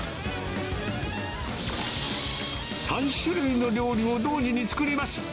３種類の料理を同時に作ります。